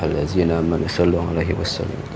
halaltafalima'alaikum warahmatullahi wabarakatuh